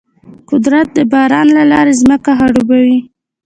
قدرت د باران له لارې ځمکه خړوبوي.